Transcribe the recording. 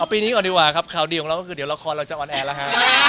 เอาปีนี้ก่อนดีกว่าครับข่าวดีของเรามันคือเรขอแล้วจะออนแอร์แล้วฮะ